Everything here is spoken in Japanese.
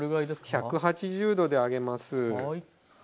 １８０℃で揚げます。